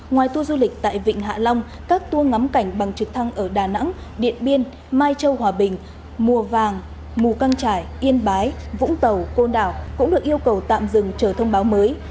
ngoài tour du lịch tại vịnh hạ long các tour ngắm cảnh bằng trực thăng ở đà nẵng điện biên mai châu hòa bình mùa vàng mù căng trải yên bái vũng tàu côn đảo cũng được yêu cầu tạm dừng chờ thông báo mới